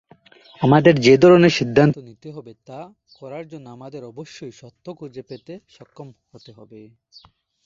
আমাদের যে ধরণের সিদ্ধান্ত নিতে হবে তা করার জন্য আমাদের অবশ্যই সত্য খুঁজে পেতে সক্ষম হতে হবে।